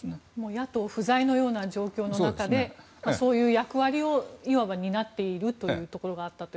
野党不在のような状況の中でそういう役割をいわば担っているところがあったと。